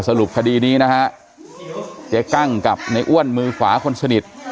สรุปคดีนี้นะฮะเจ๊กั้งกับในอ้วนมือขวาคนสนิท